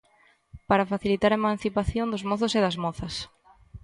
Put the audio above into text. Para facilitar a emancipación dos mozos e das mozas.